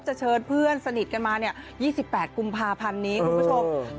เชิญเพื่อนสนิทกันมา๒๘กุมภาพันธ์นี้คุณผู้ชม